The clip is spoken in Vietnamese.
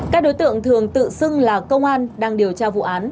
các đối tượng thường tự xưng là công an đang điều tra vụ án